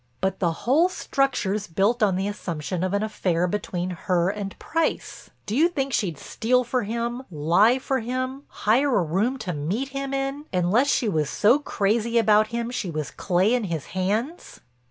"But the whole structure's built on the assumption of an affair between her and Price. Do you think she'd steal for him, lie for him, hire a room to meet him in, unless she was so crazy about him she was clay in his hands?"